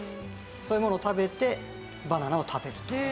そういうものを食べてバナナを食べると。